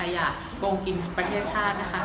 อยากโกงกินประเทศชาตินะคะ